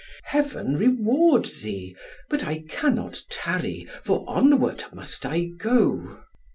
"Heaven reward thee; but I cannot tarry, for onward must I go."